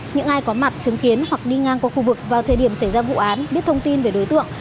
những ai có mặt chứng kiến hoặc đi ngang qua khu vực vào thời điểm xảy ra vụ án biết thông tin về đối tượng